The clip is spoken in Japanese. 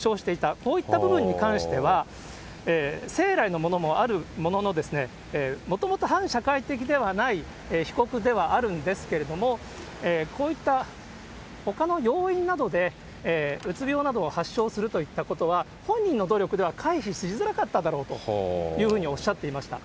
こういった部分に関しては、生来のものもあるものの、もともと反社会的ではない被告ではあるんですけれども、こういったほかの要因などでうつ病などを発症するといったことは、本人の努力では回避しづらかっただろうというふうにおっしゃっていました。